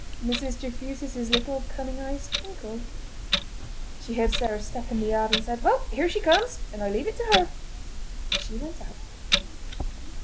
Mrs. Trefusis' little cunning eyes twinkled. She heard Sarah's step in the yard, and said: "Well! here she comes, and I leave it to her." And she went out.